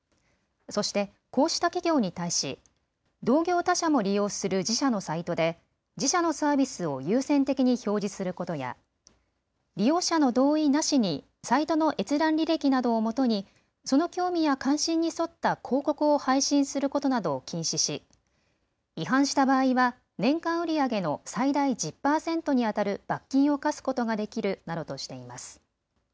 そして、こうした企業に対し同業他社も利用する自社のサイトで自社のサービスを優先的に表示することや利用者の同意なしにサイトの閲覧履歴などをもとにその興味や関心に沿った広告を配信することなどを禁止し違反した場合は年間売り上げの最大１０％にあたる罰金を科すことができるなどとしています。